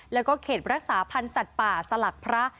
แล้วก็เขตรักษาพันธ์สัตว์ป่าสลักพระ